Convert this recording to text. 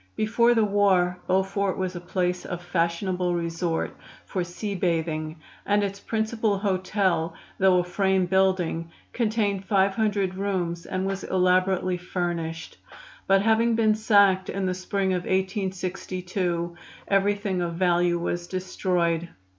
Before the war Beaufort was a place of fashionable resort for sea bathing, and its principal hotel, though a frame building, contained five hundred rooms and was elaborately furnished; but having been sacked in the spring of 1862 everything of value was destroyed.